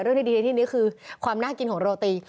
เรื่องดีในที่นี้คือความน่ากินของโรตี